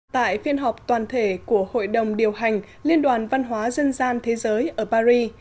tại phiên họp toàn thể của hội đồng điều hành liên đoàn văn hóa dân gian thế giới ở paris